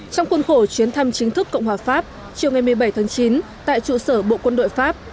trong khuôn khổ chuyến thăm chính thức cộng hòa pháp chiều ngày một mươi bảy tháng chín tại trụ sở bộ quân đội pháp